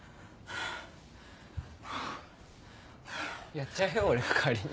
やっちゃうよ俺代わりに。